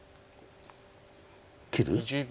切る？